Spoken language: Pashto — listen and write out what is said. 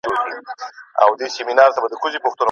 چي پر دي دي او که خپل خوبونه ویني